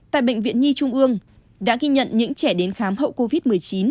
tại bệnh viện nhi trung ương đã ghi nhận những trẻ đến khám hậu covid một mươi chín